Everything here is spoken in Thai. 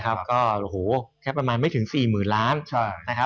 ก็แค่ประมาณไม่ถึง๔๐๐๐๐ล้านบาท